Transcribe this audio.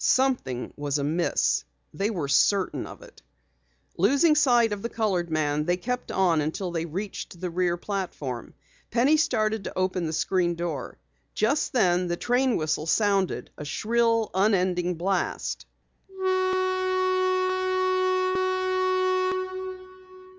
Something was amiss. They were certain of it. Losing sight of the colored man, they kept on until they reached the rear platform. Penny started to open the screen door. Just then the train whistle sounded a shrill, unending blast.